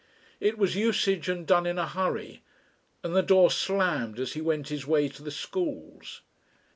It was usage and done in a hurry, and the door slammed as he went his way to the schools.